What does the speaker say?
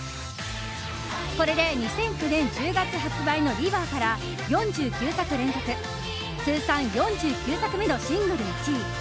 これで２００９年１０月発売の「ＲＩＶＥＲ」から４９作連続通算４９作目のシングル１位！